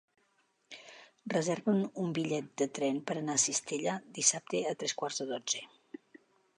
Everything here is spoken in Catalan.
Reserva'm un bitllet de tren per anar a Cistella dissabte a tres quarts de dotze.